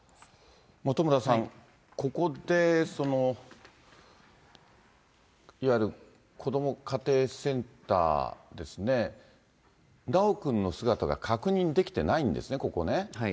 本村さん、ここでいわゆるこども家庭センターですね、修くんの姿が確認できてないんですね、ここね。